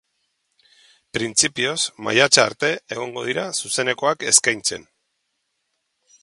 Printzipioz, maiatza arte egongo dira zuzenekoak eskaintzen.